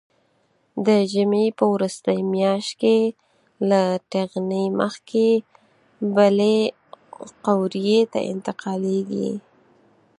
د ژمي په وروستۍ میاشت کې له ټېغنې مخکې بلې قوریې ته انتقالېږي.